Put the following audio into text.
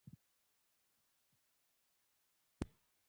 د ده زړه ولګېد.